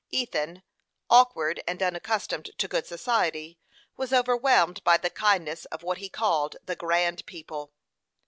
Ethan, awkward and unaccustomed to good society, was overwhelmed by the kindness of what he called the "grand people."